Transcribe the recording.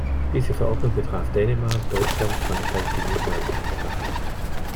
Diese Verordnung betraf Dänemark, Deutschland, Frankreich, die Niederlande und Spanien.